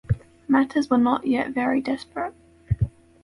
Matters were not yet very desperate.